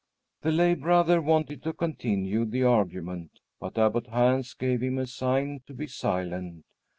The lay brother wanted to continue the argument, but Abbot Hans gave him a sign to be silent.